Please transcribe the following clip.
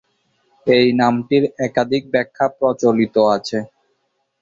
এই নামটির একাধিক ব্যাখ্যা প্রচলিত আছে।